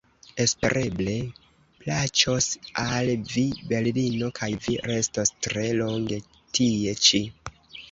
Espereble plaĉos al vi berlino kaj vi restos tre longe tie ĉi.